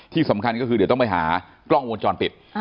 ที่สำคัญก็คือเดี๋ยวต้องไปหากล้องวงจรปิด